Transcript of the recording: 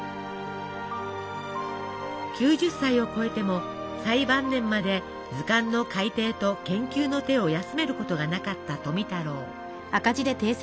９０歳を超えても最晩年まで図鑑の改訂と研究の手を休めることがなかった富太郎。